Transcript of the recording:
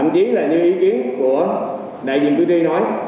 chính là những ý kiến của đại diện cử tri nói